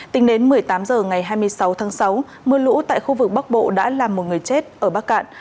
tính đến một mươi tám h ngày hai mươi sáu tháng sáu mưa lũ tại khu vực bắc bộ đã làm một người chết ở bắc cạn